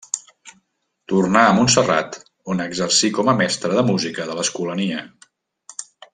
Tornà a Montserrat, on exercí com a mestre de música de l'Escolania.